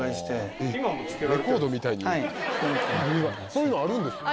そういうのあるんですか？